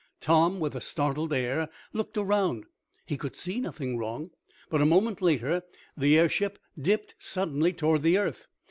Tom, with a startled air, looked around. He could see nothing wrong, but a moment later, the airship dipped suddenly toward the earth.